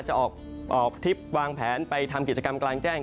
จะออกทริปวางแผนไปทำกิจกรรมกลางแจ้ง